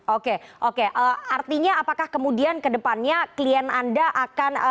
oke oke artinya apakah kemudian kedepannya klien anda akan